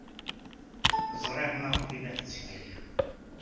Ẓriɣ maɣef ay la tetteg aya.